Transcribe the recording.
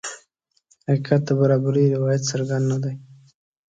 حقیقت د برابرۍ روایت څرګند نه دی.